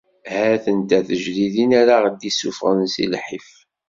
Ha-tent-a tejdidin ara aɣ-d-isuffɣen si lḥif.